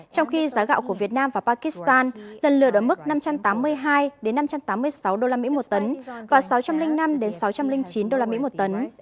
trong khi giá gạo của việt nam và pakistan lần lượt ở mức năm trăm tám mươi hai năm trăm tám mươi sáu usd một tấn và sáu trăm linh năm sáu trăm linh chín usd một tấn